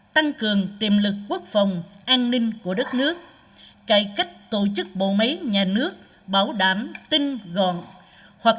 tăng cường tiềm lực quốc phòng an ninh của đất nước cải cách tổ chức bộ máy nhà nước bảo đảm tinh gọn